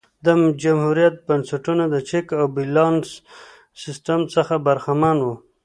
د جمهوریت بنسټونه د چک او بیلانس سیستم څخه برخمن وو